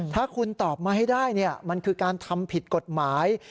ถ้าคุณตอบมาให้ได้มันคือการทำผิดกฎหมาย